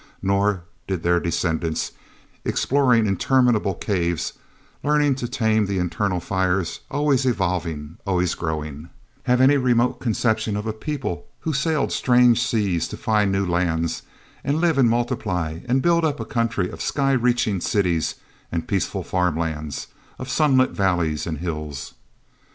Nor did their descendants, exploring interminable caves, learning to tame the internal fires, always evolving, always growing, have any remote conception of a people who sailed strange seas to find new lands and live and multiply and build up a country of sky reaching cities and peaceful farmlands, of sunlit valleys and hills.